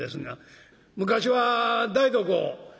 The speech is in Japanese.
昔は台所。